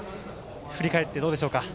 振り返って、どうでしょうか？